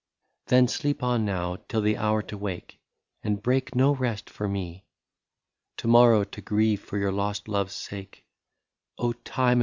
Then sleep on now till the hour to wake, And break no rest for me ; To morrow to grieve for your lost love's sake, Oh !